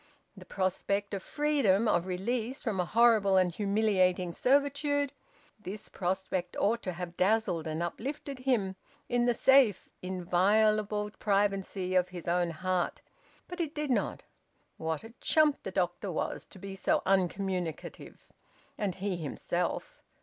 The prospect of freedom, of release from a horrible and humiliating servitude this prospect ought to have dazzled and uplifted him, in the safe, inviolable privacy of his own heart. But it did not... What a chump the doctor was, to be so uncommunicative! And he himself!